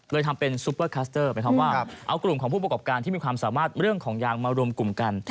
ทำเป็นซุปเปอร์คัสเตอร์หมายความว่าเอากลุ่มของผู้ประกอบการที่มีความสามารถเรื่องของยางมารวมกลุ่มกัน